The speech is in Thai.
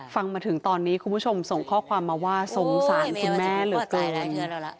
ฟังมาถึงตอนนี้คุณผู้ชมส่งข้อความมาว่าสงสารคุณแม่เหลือเกิน